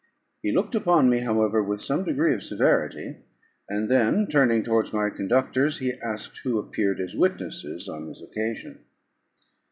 He looked upon me, however, with some degree of severity: and then, turning towards my conductors, he asked who appeared as witnesses on this occasion.